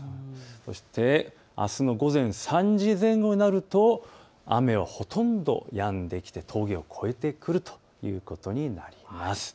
そしてあすの午前３時前後になると雨はほとんどやんできて峠を越えてくるということになります。